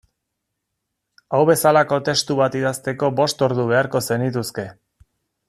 Hau bezalako testu bat idazteko bost ordu beharko zenituzke.